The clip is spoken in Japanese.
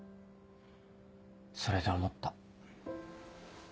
それで思った。